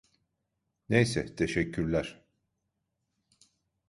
Neyse, teşekkürler.